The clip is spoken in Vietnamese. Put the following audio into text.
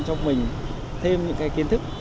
cho mình thêm những cái kiến thức